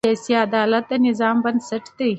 سیاسي عدالت د نظام بنسټ دی